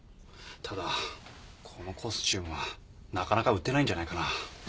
ただこのコスチュームはなかなか売ってないんじゃないかな。